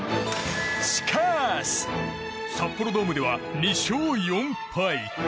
しかし、札幌ドームでは２勝４敗。